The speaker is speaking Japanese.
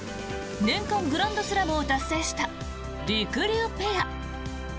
年間グランドスラムを達成したりくりゅうペア！